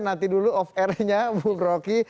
nanti dulu off airnya bu rocky